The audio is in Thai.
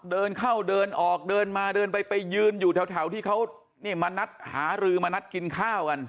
เดินเข้าเดินออกเดินมาเดินไปไปยืนอยู่แถวที่เขานี่มานัดหารือมานัดกินข้าวกัน